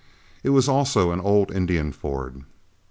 It was also an old Indian ford.